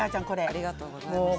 ありがとうございます。